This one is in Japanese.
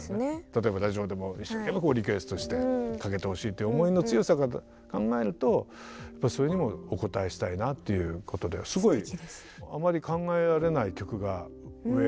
例えばラジオでも一生懸命リクエストしてかけてほしいっていう思いの強さを考えるとそれにもお応えしたいなっていうことであまり考えられない曲が上に入ってます。